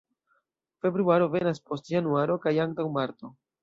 Februaro venas post januaro kaj antaŭ marto.